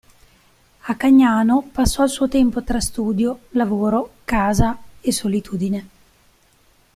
A Cagnano passò il suo tempo tra studio, lavoro, casa e solitudine.